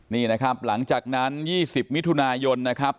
นี่นะครับหลังจากนั้น๒๐มิถุนายนนะครับ